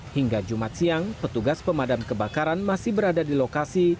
hingga jumat siang petugas pemadam kebakaran masih berada di lokasi